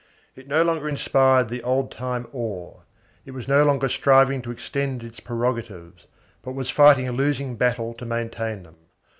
It no longer inspired the old time awe; it was no longer striving to extend its prerogatives, but was fighting a losing battle to maintain them.